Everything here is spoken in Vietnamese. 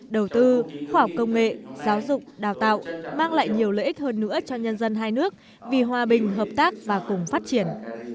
đầu tư khoa học công nghệ giáo dục đào tạo mang lại nhiều lợi ích hơn nữa cho nhân dân hai nước vì hòa bình hợp tác và cùng phát triển